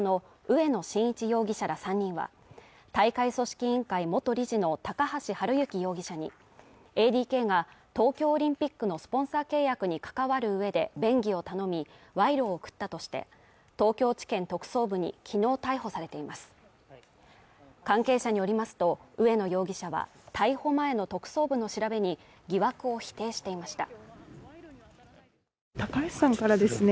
植野伸一容疑者ら３人は大会組織委員会元理事の高橋治之容疑者にＡＤＫが東京オリンピックのスポンサー契約に関わる上で便宜を頼み賄賂を贈ったとして東京地検特捜部にきのう逮捕されています関係者によりますと植野容疑者は逮捕前の特捜部の調べに疑惑を否定していました